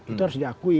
itu harus diakui